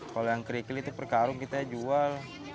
kalau yang kerikil itu per karung kita jual